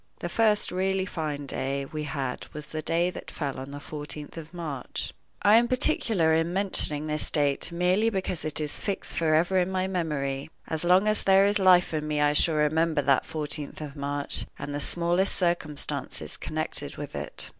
The first really fine day we had was the day that fell on the fourteenth of March. I am particular in mentioning this date merely because it is fixed forever in my memory. As long as there is life in me I shall remember that fourteenth of March, and the smallest circumstances connected with it.